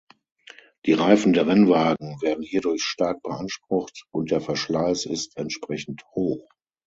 Die Reifen der Rennwagen werden hierdurch stark beansprucht und der Verschleiß ist entsprechend hoch.